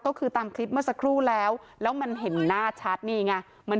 ก็คือตามคลิปเมื่อสักครู่แล้วแล้วมันเห็นหน้าชัดนี่ไงมัน